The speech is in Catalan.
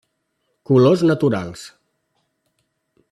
Colors naturals.